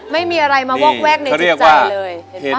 ไม่มีอะไรมาวอกแวกในจิตใจเลย